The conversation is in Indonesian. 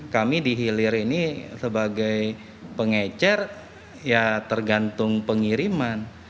kami di hilir ini sebagai pengecer ya tergantung pengiriman